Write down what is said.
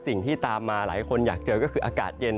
สิ่งที่ตามมาหลายคนอยากเจอก็คืออากาศเย็น